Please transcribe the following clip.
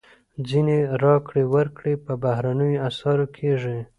ځینې راکړې ورکړې په بهرنیو اسعارو کېږي.